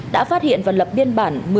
đã phát hiện và lập biên bản